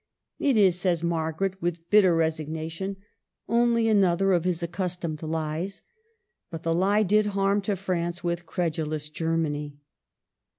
'' It is," says Margaret, with bitter resignation, *' only another of his accustomed lies." But the he did harm to France with credulous Germany.